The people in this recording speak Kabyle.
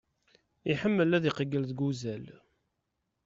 Iḥemmel ad iqeggel deg uzal.